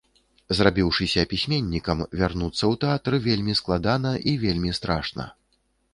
Зрабіўшыся пісьменнікам, вярнуцца ў тэатр вельмі складана і вельмі страшна.